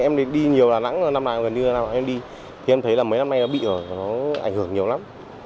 em đi nhiều đà nẵng năm nay gần như là em đi thì em thấy mấy năm nay nó bị ảnh hưởng nhiều lắm